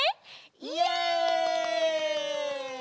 イエイ！